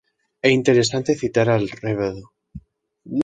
Es interesante citar al Rvdo.